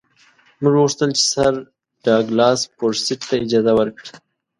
موږ وغوښتل چې سر ډاګلاس فورسیت ته اجازه ورکړي.